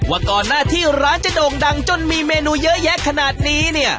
ว่าก่อนหน้าที่ร้านจะโด่งดังจนมีเมนูเยอะแยะขนาดนี้เนี่ย